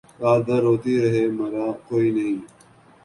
رات بھر روتے رہے مرا کوئی نہیں